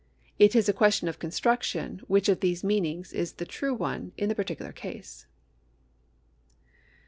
It is a question of construction which of those meanings is the true one in the particular case.